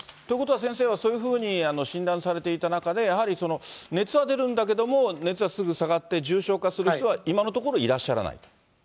ということは先生は、そういうふうに診断されていた中で、熱は出るんだけども、熱がすぐ下がって、重症化する人は今のところいらっしゃらない？